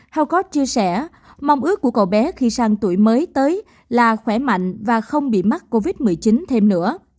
haukot chia sẻ mong ước của cậu bé khi sang tuổi mới tới là khỏe mạnh và không bị mắc covid một mươi chín thêm nữa